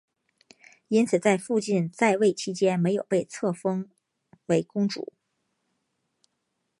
因此在父亲在位期间没有被册封为公主。